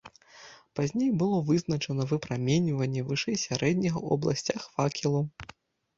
Пазней было вызначана выпраменьванне вышэй сярэдняга ў абласцях факелаў.